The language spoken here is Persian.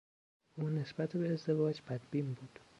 او نسبت به ازدواج بدبین بود.